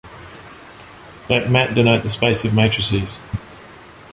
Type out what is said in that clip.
Let Mat denote the space of matrices.